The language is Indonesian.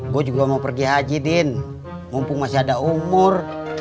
gue juga mau pergi haji din mumpung masih ada umur